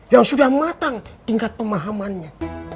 yang sudah matang tingkat pemahamannya